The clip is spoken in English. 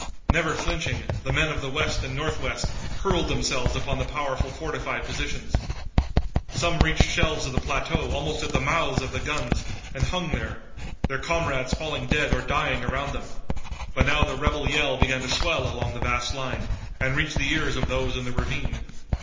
Never flinching, the men of the west and northwest hurled themselves upon the powerful fortified positions. Some reached shelves of the plateau almost at the mouths of the guns and hung there, their comrades falling dead or dying around them, but now the rebel yell began to swell along the vast line, and reached the ears of those in the ravine.